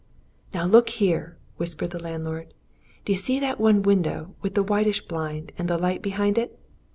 "Now look here!" whispered the landlord. "D'ye see that one window with the whitish blind and the light behind it?